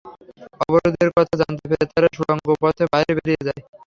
অবরোধের কথা জানতে পেরে তারা সুড়ঙ্গ পথে বাইরে বেরিয়ে যায়।